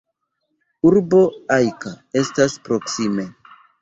Urbo Ajka estas proksime.